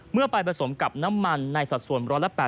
เมื่อไปผสมกับน้ำมันในสัดส่วน๑๘๐